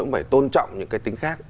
cũng phải tôn trọng những cái tính khác